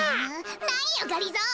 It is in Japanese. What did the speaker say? なによがりぞー！